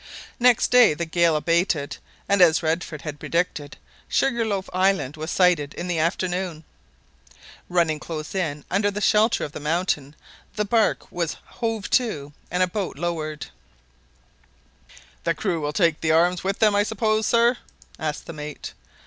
Next day the gale abated, and, as Redford had predicted, Sugar loaf Island was sighted in the afternoon. Running close in under the shelter of the mountain, the barque was hove to and a boat lowered. "The crew will take arms with them, I suppose, sir?" asked the mate.